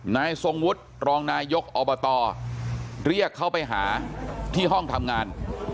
นายทรงวุฒิรองนายกอบตเรียกเขาไปหาที่ห้องทำงาน